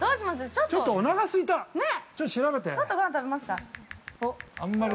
◆ちょっとごはん食べますか。